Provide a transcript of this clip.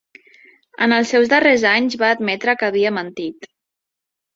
En els seus darrers anys, va admetre que havia mentit.